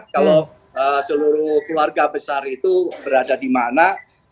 kalau seluruh keluarga besar itu berada di mana